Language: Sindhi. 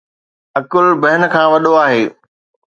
عقل بهن کان وڏو آهي